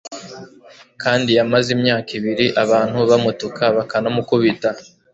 kandi yamaze imyaka ibiri abantu bamutuka bakanamukubita